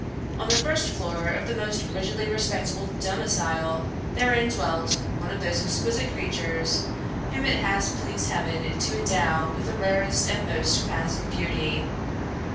On the first floor of the most rigidly respectable domicile therein dwelt one of those exquisite creatures whom it has pleased heaven to endow with the rarest and most surpassing beauty.